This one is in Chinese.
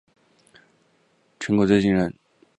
成果最惊人